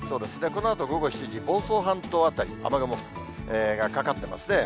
このあと午後７時、房総半島辺り、雨雲がかかっていますね。